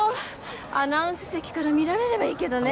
アナウンス席から見られればいいけどね